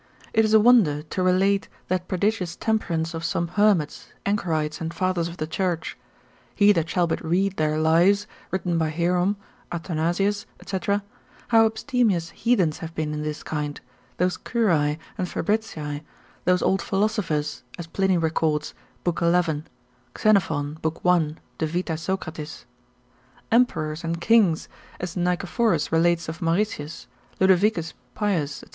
It is a wonder to relate that prodigious temperance of some hermits, anchorites, and fathers of the church: he that shall but read their lives, written by Hierom, Athanasius, &c., how abstemious heathens have been in this kind, those Curii and Fabritii, those old philosophers, as Pliny records, lib. 11. Xenophon, lib. 1. de vit. Socrat. Emperors and kings, as Nicephorus relates, Eccles. hist. lib. 18. cap. 8. of Mauritius, Ludovicus Pius, &c.